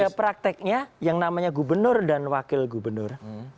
ada prakteknya yang namanya gubernur dan wakil gubernur